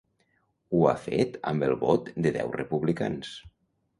Ho ha fet amb el vot de deu republicans.